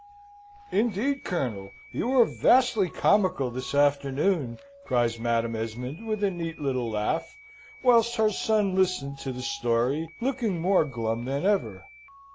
"Indeed, Colonel, you are vastly comical this afternoon!" cries Madam Esmond, with a neat little laugh, whilst her son listened to the story, looking more glum than ever.